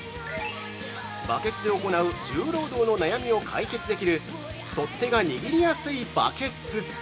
◆バケツで行う重労働の悩みを解決できる取手が握りやすいバケツ！